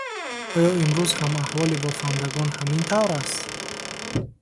Оё имрӯз ҳам аҳволи бофандагон ҳамин тавр аст?